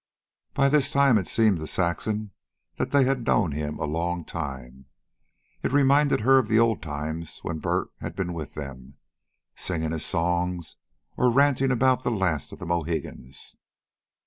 By this time it seemed to Saxon that they had known him a long time. It reminded her of the old times when Bert had been with them, singing his songs or ranting about the last of the Mohicans.